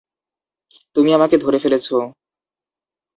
তুমি আমাকে ধরে ফেলেছ।